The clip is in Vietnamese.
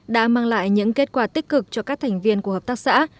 đã mang lại những kết quả tích cực cho các thành viên của hợp tác xã